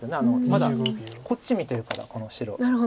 まだこっち見てるからこの白を。